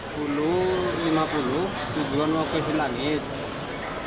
keberangkatannya jam sepuluh lima puluh tujuan wakil selangit